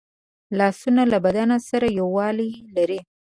لاسونه له بدن سره یووالی لري